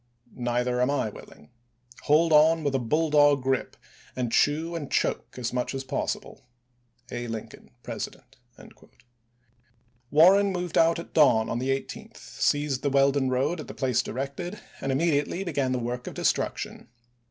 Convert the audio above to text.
Neither am I LiGm?t,to willing. Hold on with a bulldog grip, and chew and isu.s' ms. choke as much as possible. — A. Lincoln, President." Warren moved out at dawn on the 18th, seized the Weldon road at the place directed, and immedi ately began the work of destruction.